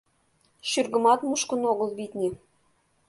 Шӱргымат мушкын огыл, витне.